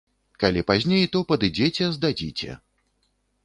Калі пазней, то падыдзеце, здадзіце.